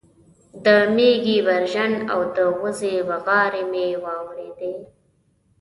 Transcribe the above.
د مېږې برژن او د وزې بغارې مې واورېدې